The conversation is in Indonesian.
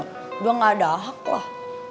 udah gak ada hak lah